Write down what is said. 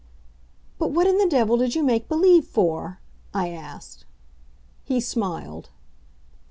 "But what in the devil did you make believe for?" I asked. He smiled.